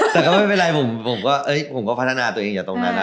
แต่ก็ไม่เป็นไรผมก็พัฒนาตัวเองจากตรงนั้นนะ